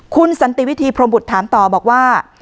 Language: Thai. คุณสันติวิธีพรมบุตรถามต่อบอกว่า